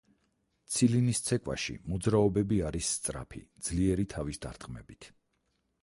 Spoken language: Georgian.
ცილინის ცეკვაში, მოძრაობები არის სწრაფი, ძლიერი თავის დარტყმებით.